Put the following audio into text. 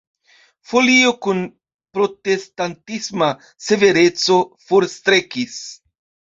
Folio kun protestantisma severeco forstrekis.